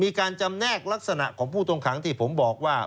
มีการจำแนกลักษณะของผู้ต้องขังที่ผมบอกว่า